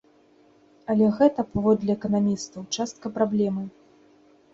Але гэта, паводле эканамістаў, частка праблемы.